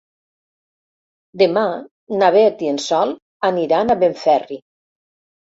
Demà na Beth i en Sol aniran a Benferri.